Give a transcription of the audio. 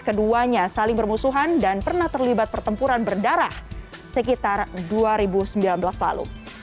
keduanya saling bermusuhan dan pernah terlibat pertempuran berdarah sekitar dua ribu sembilan belas lalu